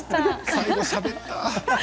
最後しゃべった。